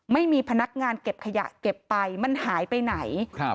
ไม่มีพนักงานเก็บขยะเก็บไปมันหายไปไหน